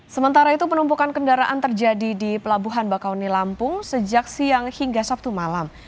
sementara itu penumpukan kendaraan terjadi di pelabuhan bakauni lampung sejak siang hingga sabtu malam